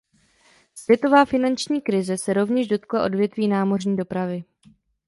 Světová finanční krize se rovněž dotkla odvětví námořní dopravy.